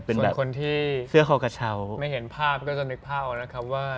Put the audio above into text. เป็นแบบเสื้อคอกระเช้าส่วนคนที่ไม่เห็นภาพก็จะนึกภาพออกนะครับว่า